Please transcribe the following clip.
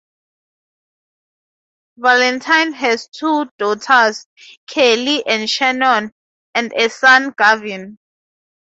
Valentine has two daughters, Keelie and Shannon, and a son, Gavin.